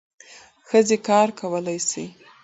ښځې کار کولای سي.